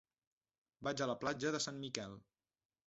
Vaig a la platja de Sant Miquel.